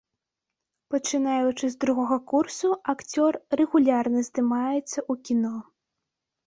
Пачынаючы з другога курсу, акцёр рэгулярна здымаецца ў кіно.